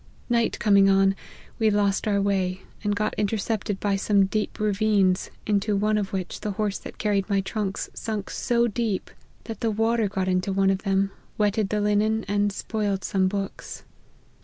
" Night coming on, we lost our way, and got in tercepted by some deep ravines, into one of which the horse that carried my trunks sunk so deep, that Q 182 LIFE OF HENRY MARTYN. the water got into one of them, wetted the linen, and spoiled some books.